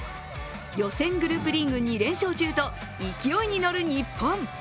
予選グループリーグ２連勝中と勢いに乗る日本。